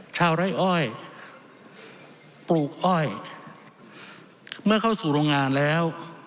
ไร้อ้อยปลูกอ้อยเมื่อเข้าสู่โรงงานแล้ว